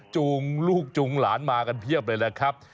จูงลูกจูงหลานมากันเพียบเลยแหละครับ